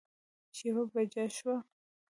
چې يوه بجه شوه